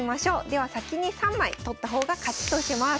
では先に３枚取った方が勝ちとします。